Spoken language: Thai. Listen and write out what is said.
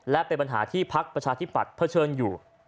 และเป็นปัญหาที่พักประชาธิปัตย์เผชิญอยู่